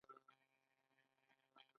آیا دوی خپل شرکتونه نلري؟